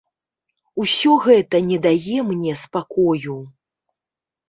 Усё гэта не дае мне спакою.